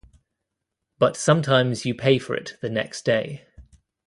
But sometimes you pay for it the next day.